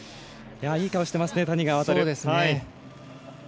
いい顔してますね、谷川航。